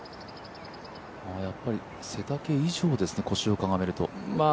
やっぱり背丈以上ですね、腰をかがめると。